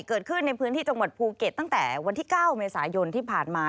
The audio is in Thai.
เกิดขึ้นในพื้นที่จังหวัดภูเก็ตตั้งแต่วันที่๙เมษายนที่ผ่านมา